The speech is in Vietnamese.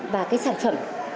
và cái sản phẩm